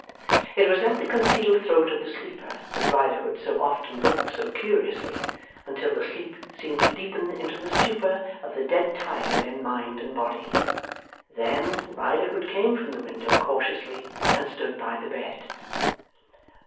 It was at the concealed throat of the sleeper that Riderhood so often looked so curiously, until the sleep seemed to deepen into the stupor of the dead tired in mind and body. Then, Riderhood came from the window cautiously, and stood by the bed.